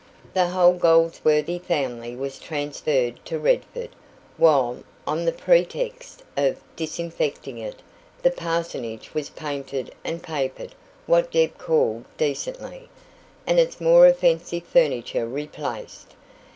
The whole Goldsworthy family was transferred to Redford, while, on the pretext of disinfecting it, the parsonage was painted and papered what Deb called "decently", and its more offensive furniture replaced.